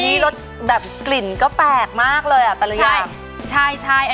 อันนี้รถแบบกลิ่นก็แปลกมากเลยอ่ะแต่ละยามใช่ใช่ใช่